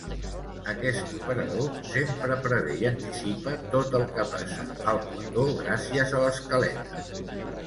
Aquest operador sempre prevé i anticipa tot el que passa al plató gràcies a l'escaleta.